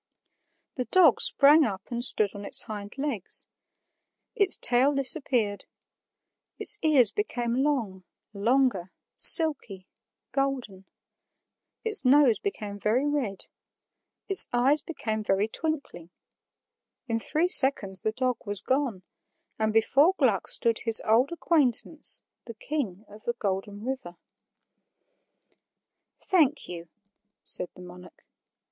The dog sprang up and stood on its hind legs. Its tail disappeared; its ears became long, longer, silky, golden; its nose became very red; its eyes became very twinkling; in three seconds the dog was gone, and before Gluck stood his old acquaintance, the King of the Golden River. "Thank you," said the monarch.